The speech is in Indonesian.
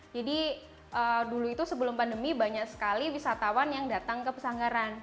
jadi dulu itu sebelum pandemi banyak sekali wisatawan yang datang ke pasanggaran